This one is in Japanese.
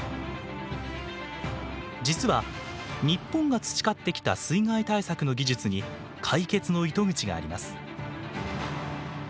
実は日本が培ってきた水害対策の技術に解決の糸口があります。